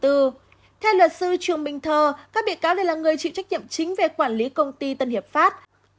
theo luật sư trường bình thơ các bị cáo đây là người chịu trách nhiệm chính về quản lý công ty tân hiệp pháp